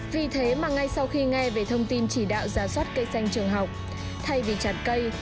vì thế mà ngay sau khi nghe về thông tin chỉ đạo giả soát cây xanh trường học thay vì chặt cây